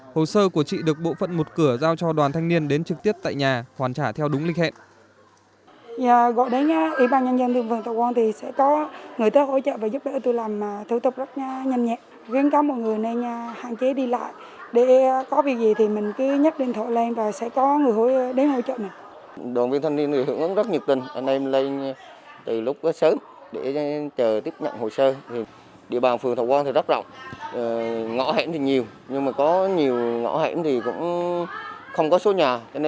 hồ sơ của chị được bộ phận một cửa giao cho đoàn thanh niên đến trực tiếp tại nhà hoàn trả theo đúng lịch hẹn